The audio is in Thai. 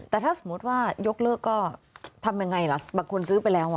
แต่ถ้าสมมุติว่ายกเลิกก็ทำยังไงล่ะบางคนซื้อไปแล้ว